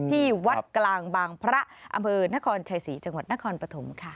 ที่วัดกลางบางพระอำเภอนครชัยศรีจังหวัดนครปฐมค่ะ